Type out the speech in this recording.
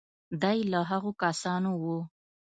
دی له هغو کسانو و.